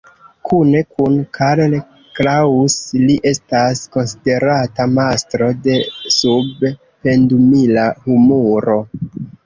Kune kun Karl Kraus, li estas konsiderata mastro de "sub-pendumila humuro".